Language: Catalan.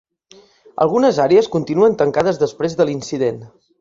Algunes àrees continuen tancades després de l'incident.